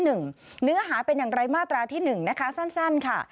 เนื้อหาเป็นอย่างไรมาตราที่๑นะคะสั้นค่ะ